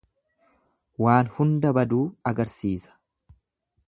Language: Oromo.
Waa hunda baduu agarsiisa.